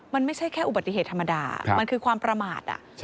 มันไม่ใช่แค่อุบัติเหตุธรรมดามันคือความประมาท